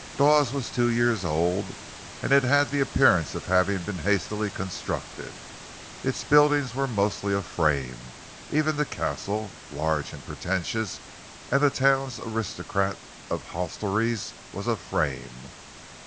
Dawes was two years old, and it had the appearance of having been hastily constructed. Its buildings were mostly of frame—even the Castle, large and pretentious, and the town's aristocrat of hostelries, was of frame.